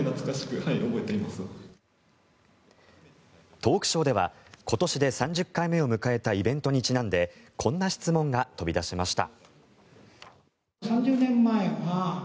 トークショーでは今年で３０回目を迎えたイベントにちなんでこんな質問が飛び出しました。